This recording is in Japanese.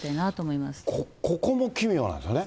ここも奇妙なんですよね。